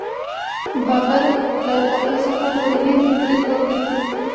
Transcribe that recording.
بابر له کابل څخه په هند برید وکړ.